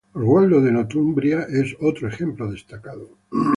Oswaldo de Northumbria es otro ejemplo destacado.